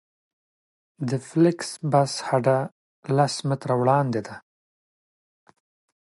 د فلېکس بس هډه لس متره وړاندې ده